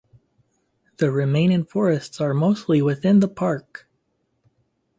The remaining forests are mostly within the park.